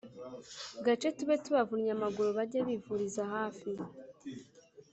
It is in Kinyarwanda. gace tube tubavunnye amaguru bage bivuriza hafi